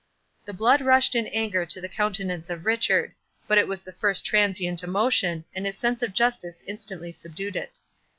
The blood rushed in anger to the countenance of Richard; but it was the first transient emotion, and his sense of justice instantly subdued it.